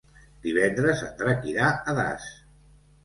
Divendres en Drac irà a Das.